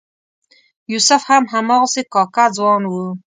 یوسف هم هماغسې کاکه ځوان و.